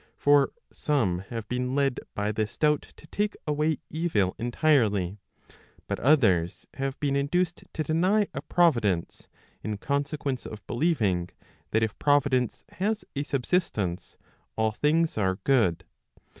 For some have been led by this doubt to take away evil entirely; but others have been induced to deny a providence, in consequence of believing, that if provi¬ dence has a subsistence, all things are good.